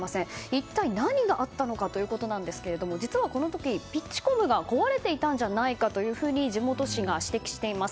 一体何があったのかということですが、実はこの時ピッチコムが壊れていたんじゃないかというふうに地元紙が指摘しています。